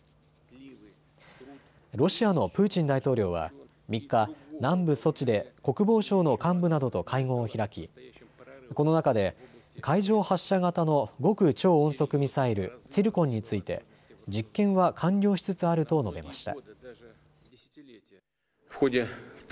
ロシアのプーチン大統領は３日、南部ソチで国防省の幹部などと会合を開きこの中で海上発射型の極超音速ミサイル、ツィルコンについて実験は完了しつつあると述べました。